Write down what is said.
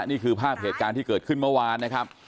นี่คือภาพเหตุการณ์ที่เกิดขึ้นเมื่อวานนะครับ